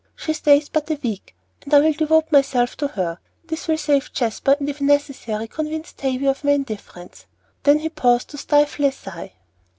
She stays but a week, and I will devote myself to her; this will save Jasper, and, if necessary, convince Tavie of my indifference " Then he paused to stifle a sigh.